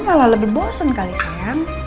malah lebih bosen kali sayang